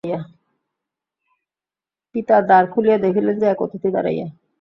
পিতা দ্বার খুলিয়া দেখিলেন যে, এক অতিথি দাঁড়াইয়া।